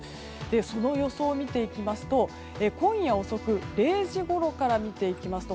その予想を見ていきますと今夜遅く０時ごろから見ていきますと